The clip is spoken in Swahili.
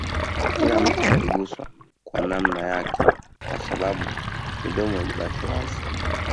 Kila mtu aliguswa kwa namna yake Kwa sababu midomo ilibaki wazi